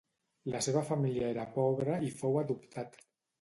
La seva família era pobra i fou adoptat.